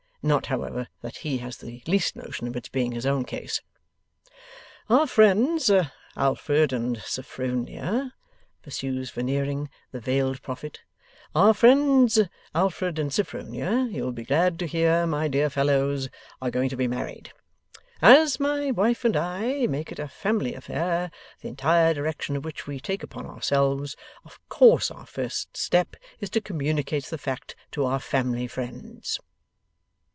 Not, however, that he has the least notion of its being his own case. 'Our friends, Alfred and Sophronia,' pursues Veneering the veiled prophet: 'our friends Alfred and Sophronia, you will be glad to hear, my dear fellows, are going to be married. As my wife and I make it a family affair the entire direction of which we take upon ourselves, of course our first step is to communicate the fact to our family friends.